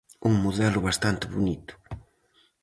Un modelo bastante bonito.